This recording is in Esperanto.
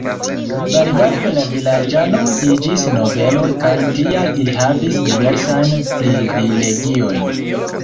Baldaŭe la vilaĝanoj iĝis nobeloj kaj tial ili havis diversajn privilegiojn.